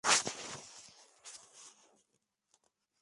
En su infancia aprendió los principios básicos de la música con su padre.